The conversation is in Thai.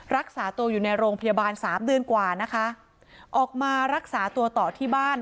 รักษาตัวอยู่ในโรงพยาบาลสามเดือนกว่านะคะออกมารักษาตัวต่อที่บ้าน